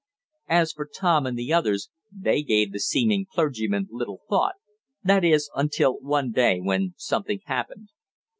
As for Tom and the others, they gave the seeming clergyman little thought that is until one day when something happened.